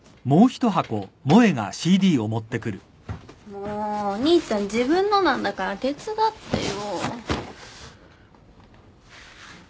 もうお兄ちゃん自分のなんだから手伝ってよ。